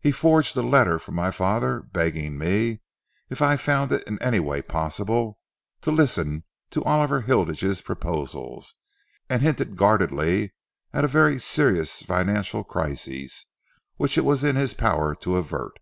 He forged a letter from my father, begging me, if I found it in any way possible, to listen to Oliver Hilditch's proposals, and hinting guardedly at a very serious financial crisis which it was in his power to avert.